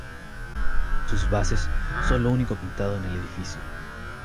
Sus bases son lo único pintado en el edificio.